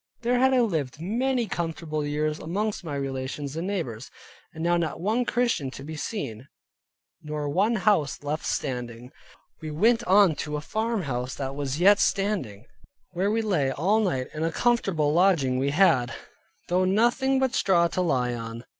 There had I lived many comfortable years amongst my relations and neighbors, and now not one Christian to be seen, nor one house left standing. We went on to a farmhouse that was yet standing, where we lay all night, and a comfortable lodging we had, though nothing but straw to lie on.